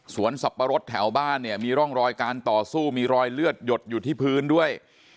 สับปะรดแถวบ้านเนี่ยมีร่องรอยการต่อสู้มีรอยเลือดหยดอยู่ที่พื้นด้วย